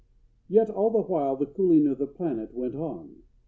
] Yet all the while the cooling of the planet went on.